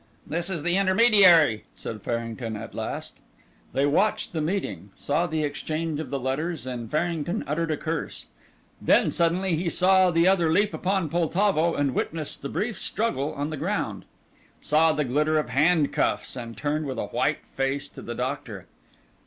"This is the intermediary," said Farrington at last. They watched the meeting, saw the exchange of the letters, and Farrington uttered a curse. Then suddenly he saw the other leap upon Poltavo and witnessed the brief struggle on the ground. Saw the glitter of handcuffs and turned with a white face to the doctor.